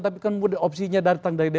tapi kan opsinya datang datang